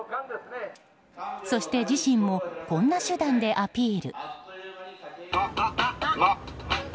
そして自身もこんな手段でアピール。